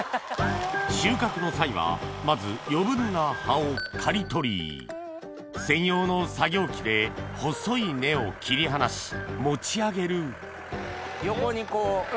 収穫の際はまず余分な葉を刈り取り専用の作業機で細い根を切り離し持ち上げる横にこう。